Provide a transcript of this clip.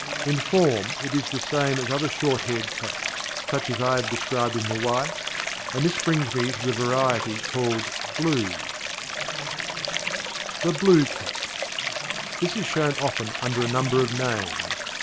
In form it is the same as other short haired cats, such as I have described in the white, and this brings me to the variety called "blue." [Illustration: ARCHANGEL BLUE CAT.] THE BLUE CAT. This is shown often under a number of names.